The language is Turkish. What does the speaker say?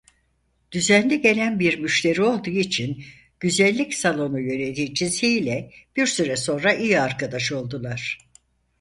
Düzenli gelen bir müşteri olduğu için güzellik salonu yöneticisiyle bir süre sonra iyi arkadaş oldular.